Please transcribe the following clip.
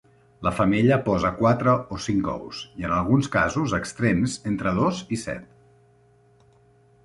La femella posa quatre o cinc ous, i en alguns casos extrems entre dos i set.